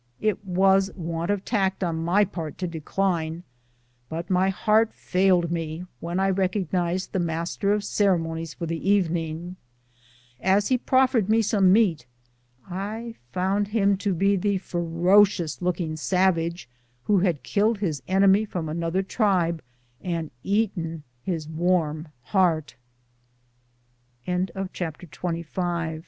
It was want of tact on my part to decline, but my heart failed me when I recognized the master of ceremonies for tlie evening. As he proffered me some meat, I found him to be the ferocious looking savage who had killed his enemy from another tribe and